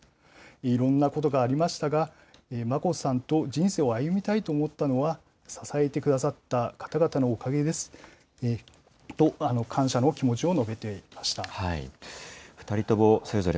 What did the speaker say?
いろんなことがありましたが、眞子さんと人生を歩みたいと思ったのは、支えてくださった方々のおかげですと、感謝の気持ちを述べていま２人ともそれぞれ、